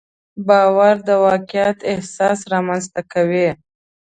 باور د واقعیت احساس رامنځته کوي.